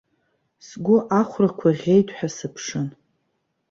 Сгәы ахәрақәа ӷьеит ҳәа сыԥшын.